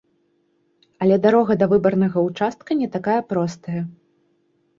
Але дарога да выбарнага ўчастка не такая простая.